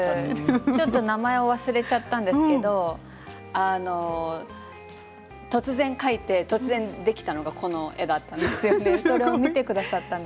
ちょっと名前を忘れちゃったんですけれど突然描いて突然できたのがこの絵だったんですよね。